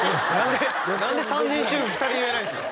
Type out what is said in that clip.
何で３人中２人言えないんですか？